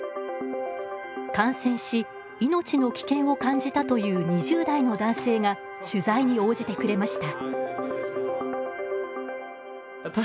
感染し命の危険を感じたという２０代の男性が取材に応じてくれました。